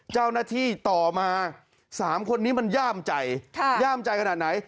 เจ้าหน้าที่ต่อมา๓คนนี้มันย่ามใจย่ามใจขนาดไหน